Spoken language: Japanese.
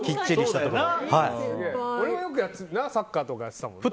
俺はよくサッカーとかやってたもんな。